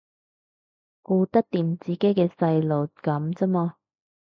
顧得掂自己嘅細路噉咋嘛